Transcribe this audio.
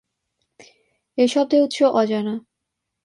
এই শব্দের উৎস অজানা।